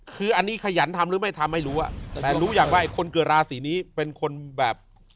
คืออันนี้ขยันทำหรือไม่ทำไม่รู้อ่ะแต่รู้อย่างว่าคนเกิดราศีนี้เป็นคนแบบ